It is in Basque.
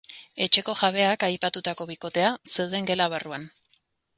Etxeko jabeak, aipatutako bikotea, zeuden gela barruan.